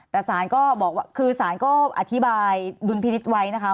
แต่สารก็บอกว่าคือสารก็อธิบายดุลพินิษฐ์ไว้นะคะ